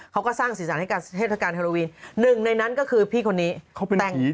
เขาเป็นผีจริงหรือเปล่า